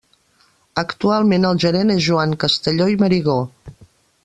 Actualment el gerent és Joan Castelló i Marigó.